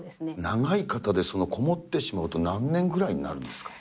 長い方で、こもってしまうと、何年ぐらいになるんですか。